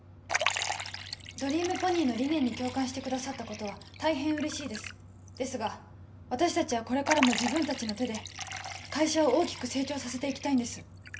ドリームポニーの理念に共感してくださったことは大変嬉しいですですが私達はこれからも自分達の手で会社を大きく成長させていきたいんです